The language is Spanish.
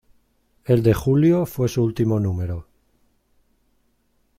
El de julio fue su último número.